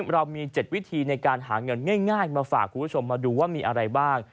เรามี๗วิธีในการหาเงินง่ายมาฝากคุณผู้ชมมาดูว่ามีอะไรบ้าง